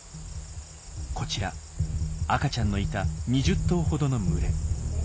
こちら赤ちゃんのいた２０頭ほどの群れ。